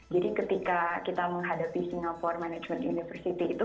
jadi ketika kita menghadapi singapore management university itu